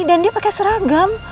dan dia pakai seragam